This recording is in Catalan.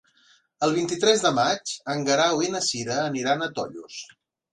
El vint-i-tres de maig en Guerau i na Cira aniran a Tollos.